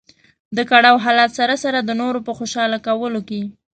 د کړاو حالت سره سره د نورو په خوشاله کولو کې.